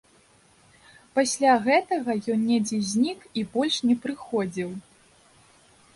Пасля гэтага ён недзе знік і больш не прыходзіў.